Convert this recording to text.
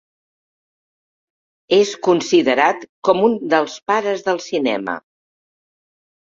És considerat com un dels pares del cinema.